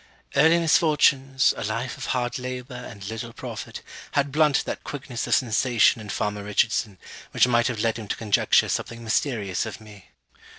Early misfortunes, a life of hard labour and little profit, had blunted that quickness of sensation in farmer Richardson, which might have led him to conjecture something mysterious of me.